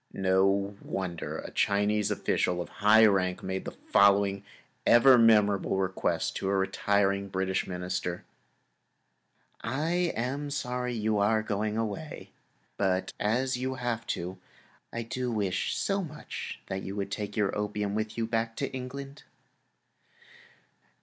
No wonder a Chinese official of high rank made the following ever memorable request to a retiring British Minister: "I am sorry you are going away, but as you have to, I do wish so much that you would take your opium with you back to England!"